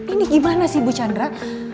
ini gimana sih bu chandra